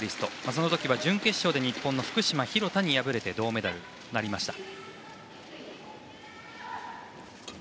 その時は準決勝で日本の福島、廣田に敗れて銅メダルとなりました。